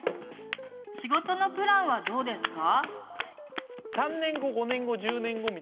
仕事のプランはどうですか？